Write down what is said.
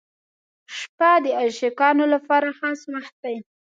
• شپه د عاشقانو لپاره خاص وخت دی.